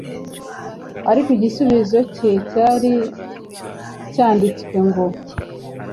ariko igisubizo cye cyari, Byanditswe ngo,